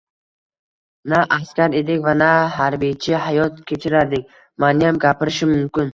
Na askar edik, na harbiycha hayot kechirardik nimaniyam gapirish mumkin